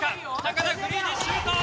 田フリーでシュート！